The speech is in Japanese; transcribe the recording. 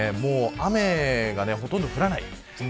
雨がほとんど降らない。